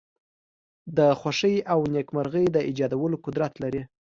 د خوښۍ او نېکمرغی د ایجادولو قدرت لری.